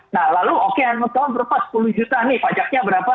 nah lalu oke yang pertama berapa sepuluh juta nih pajaknya berapa